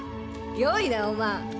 よいな、お万。